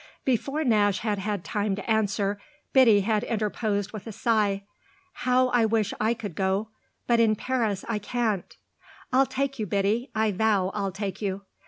Before Nash had had time to answer Biddy had interposed with a sigh. "How I wish I could go but in Paris I can't!" "I'll take you, Biddy I vow I'll take you."